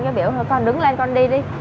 cái biểu thôi con đứng lên con đi đi